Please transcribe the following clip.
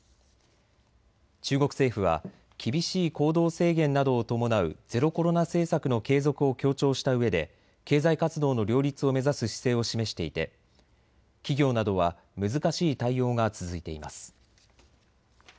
中国政府は厳しい行動制限などを伴うゼロコロナ政策の継続を強調したうえで経済活動の両立を目指す姿勢を示していて企業などは難しい対応が続いています。